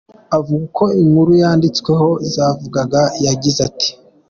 Avuga uko inkuru yanditsweho zavugaga, yagize ati:.